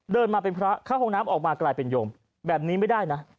เดินมาเป็นพระเข้าห้องน้ำออกมากลายเป็นโยมแบบนี้ไม่ได้นะ